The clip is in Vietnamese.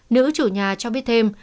nữ chủ nhà cho biết thêm